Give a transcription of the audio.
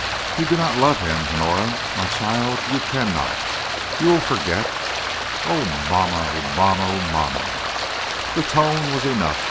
You do not love him, Honora, my child; you cannot; you will forget " "Oh, mamma! Oh, mamma! Oh, mamma!" The tone was enough.